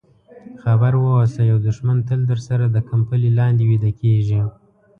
خبر واوسه یو دښمن تل درسره د کمپلې لاندې ویده کېږي.